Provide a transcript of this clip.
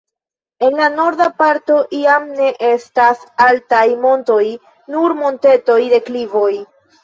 En la norda parto jam ne estas altaj montoj, nur montetoj, deklivoj.